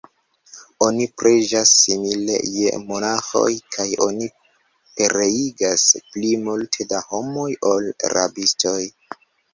Oni preĝas simile je monaĥoj kaj oni pereigas pli multe da homoj, ol rabistoj.